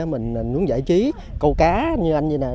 mình muốn giải trí câu cá như anh vậy này